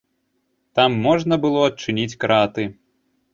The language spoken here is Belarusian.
Там можна было адчыніць краты.